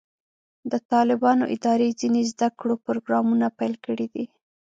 د طالبانو ادارې ځینې زده کړو پروګرامونه پیل کړي دي.